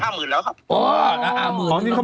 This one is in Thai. เขาเหงาเลยนะ